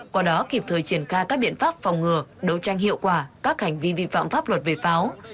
qua đó kịp thời triển khai các biện pháp phòng ngừa đấu tranh hiệu quả các hành vi vi phạm pháp luật về pháo